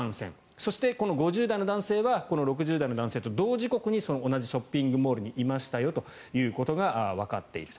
そして、この５０代の男性は６０代の男性と同時刻に同じショッピングモールにいましたよということがわかっていると。